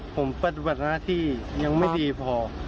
ผมปฏิบัติหน้าที่ยังไม่ดีพอ